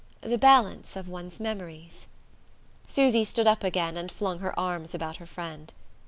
the balance of one's memories." Susy stood up again, and flung her arms about her friend.